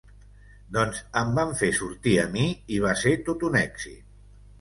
Doncs em van fer sortir a mi, i va ser tot un èxit.